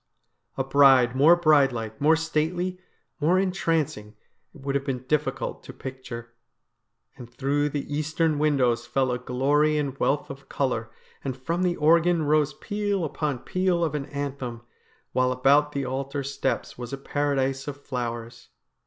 A bride more bride like, more stately, more entrancing, it would have been difficult to picture. And through the eastern windows fell a glory and wealth of colour, and from the organ rose peal upon peal of an anthem, while about the altar steps was a Paradise of flowers.